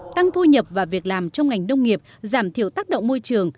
tăng thu nhập và việc làm trong ngành nông nghiệp giảm thiểu tác động môi trường